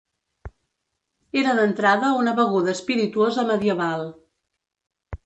Era d'entrada una beguda espirituosa medieval.